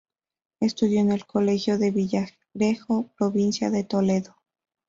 Estudió en el Colegio de Villarejo, provincia de Toledo.